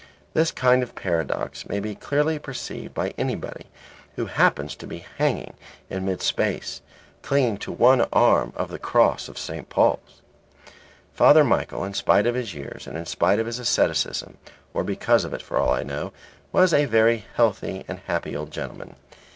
This kind of paradox may be clearly perceived by anybody who happens to be hanging in mid space, clinging to one arm of the Cross of St. Paul's. Father Michael in spite of his years, and in spite of his asceticism (or because of it, for all I know), was a very healthy and happy old gentleman.